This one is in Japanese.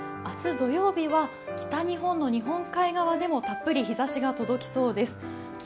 明日土曜日は北日本の日本海側でもたっぷり日ざしが届きそうです。